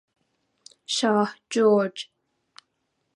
شاه جرج